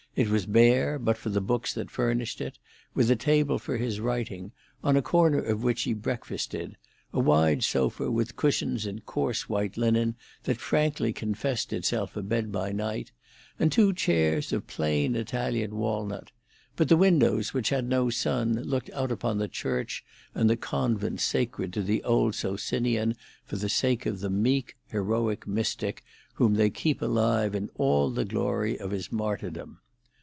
It was bare, but for the books that furnished it; with a table for his writing, on a corner of which he breakfasted, a wide sofa with cushions in coarse white linen that frankly confessed itself a bed by night, and two chairs of plain Italian walnut; but the windows, which had no sun, looked out upon the church and the convent sacred to the old Socinian for the sake of the meek, heroic mystic whom they keep alive in all the glory of his martyrdom.